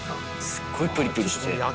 すっごいプリプリしてる。